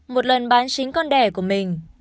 một lần bán chính con đẻ của mình